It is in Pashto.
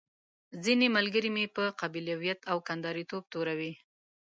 ځينې ملګري مې په قبيلويت او کنداريتوب توروي.